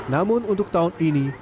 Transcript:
namun untuk tahun ini